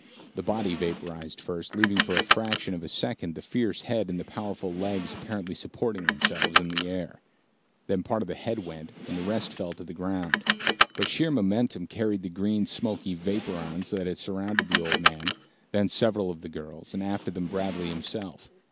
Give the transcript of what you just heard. The body vaporized first, leaving for a fraction of a second the fierce head and the powerful legs apparently supporting themselves in the air. Then part of the head went, and the rest fell to the ground. But sheer momentum carried the green smoky vapor on, so that it surrounded first the old man, then several of the girls, and after them, Bradley himself.